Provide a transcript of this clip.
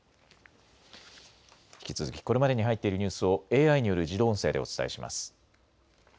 引き続きこれまでに入っているニュースをＡＩによる自動音声でお伝えします。